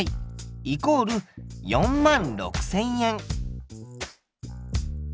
イコール４万６０００円。